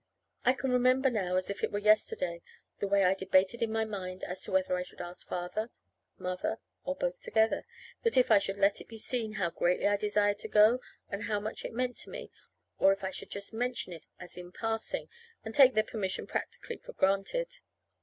I can remember now, as if it were yesterday, the way I debated in my mind as to whether I should ask Father, Mother, or both together; and if I should let it be seen how greatly I desired to go, and how much it meant to me; or if I should just mention it as in passing, and take their permission practically for granted.